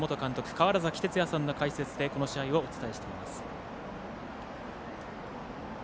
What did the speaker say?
川原崎哲也さんの解説でこの試合をお伝えしています。